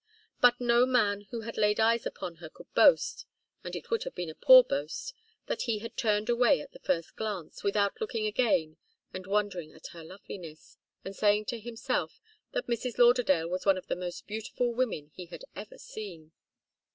But no man who had laid eyes upon her could boast and it would have been a poor boast that he had turned away at the first glance, without looking again and wondering at her loveliness, and saying to himself that Mrs. Lauderdale was one of the most beautiful women he had ever seen.